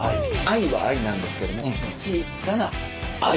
愛は愛なんですけども小さな愛。